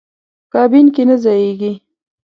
کابین کې نه ځایېږي.